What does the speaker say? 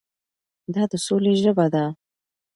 دا د سولې ژبه ده.